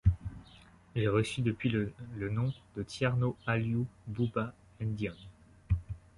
Il reçut depuis, le nom de Thierno Aliou Bhoubha Ndian.